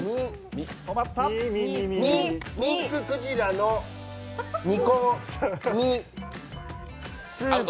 ミンククジラの煮込みスープ。